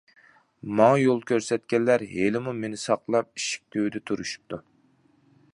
ماڭا يول كۆرسەتكەنلەر ھېلىمۇ مېنى ساقلاپ ئىشىك تۈۋىدە تۇرۇشۇپتۇ.